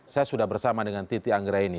saya sudah bersama dengan titi anggraini